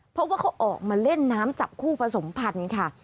เพราะว่าเขาออกมาเล่นน้ำจับคู่ผสมพันธุ์ค่ะ